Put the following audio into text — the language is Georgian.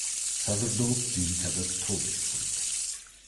საზრდოობს ძირითადად თოვლის წყლით.